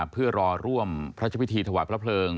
เพื่อรอร่วมพระเจ้าพิธีถวายพระเพลิง